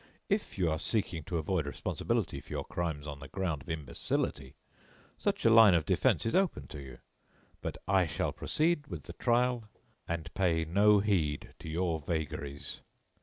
If you are seeking to avoid responsibility for your crimes on the ground of imbecility, such a line of defense is open to you. But I shall proceed with the trial and pay no heed to your vagaries."